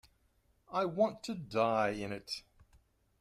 I want to die in it.